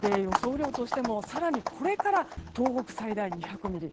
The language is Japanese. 雨量としても更にこれから東北最大２００ミリ